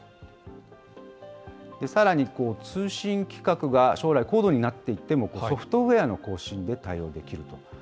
さらに、通信規格が将来、高度になっていっても、ソフトウエアの更新で対応できると。